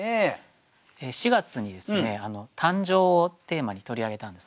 ４月にですね「誕生」をテーマに取り上げたんですね。